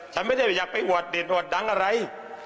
ฉันไม่ได้อยากไปอวดเด่นอวดดังอะไร